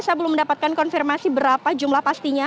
saya belum mendapatkan konfirmasi berapa jumlah pastinya